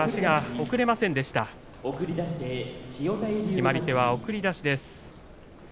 決まり手は送り出しです。